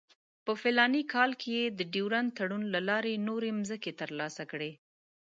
په فلاني کال کې یې د ډیورنډ تړون له لارې نورې مځکې ترلاسه کړې.